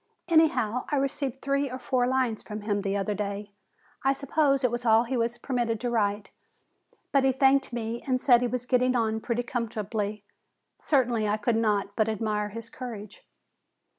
Anyhow, I received three or four lines from him the other day. I suppose it was all he was permitted to write. But he thanked me and said he was getting on pretty comfortably. Certainly I could not but admire his courage."